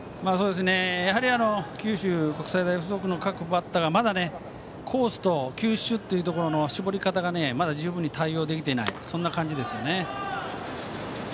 やはり九州国際大付属の各バッターがまだコースと球種の絞り方が十分に対応できていない感じですよね。